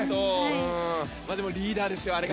でも、リーダーですよあれが。